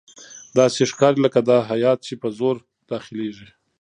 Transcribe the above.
داسې ښکاري لکه دا هیات چې په زور داخليږي.